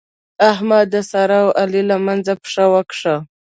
احمد د سارا او علي له منځه پښه وکښه.